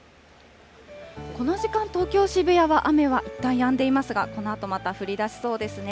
この時間、東京・渋谷は雨はいったんやんでいますが、このあとまた降りだしそうですね。